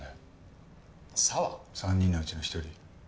３人のうちの１人。